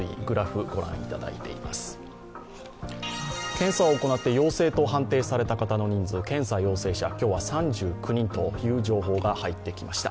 検査を行って陽性と判定された方の人数、検査陽性者、今日は３９人という情報が入ってきました。